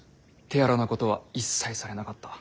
手荒なことは一切されなかった。